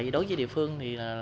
đối với địa phương